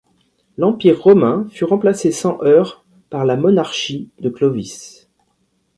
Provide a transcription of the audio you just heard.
L'Empire romain fut remplacé sans heurts par la monarchie de Clovis.